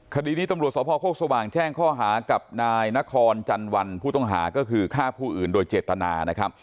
คดีนี้ตำรวจสพโคกสว่างแจ้งข้อหากับนายนครจันวันผู้ต้องหาก็คือฆ่าผู้อื่นโดยเจตนานะครับ